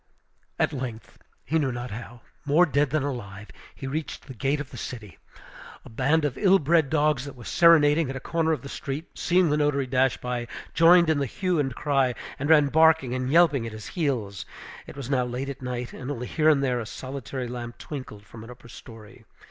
At length, he knew not how, more dead than alive, he reached the gate of the city. A band of ill bred dogs, that were serenading at a corner of the street, seeing the notary dash by, joined in the hue and cry, and ran barking and yelping at his heels. It was now late at night, and only here and there a solitary lamp twinkled from an upper story.